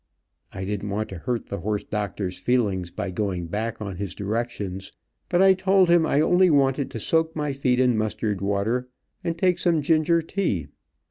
I didn't want to hurt the horse doctor's feelings by going back on his directions, but I told him I only wanted to soak my feet in mustard water, and take some ginger tea.